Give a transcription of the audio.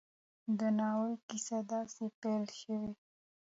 د ناول کيسه داسې پيل شوې